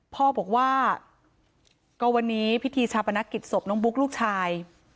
พ่อบอกว่าก็วันนี้พิธีชาปนกิจศพน้องบุ๊กลูกชาย